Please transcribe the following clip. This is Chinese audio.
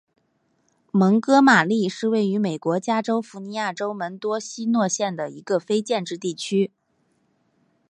蒙哥马利是位于美国加利福尼亚州门多西诺县的一个非建制地区。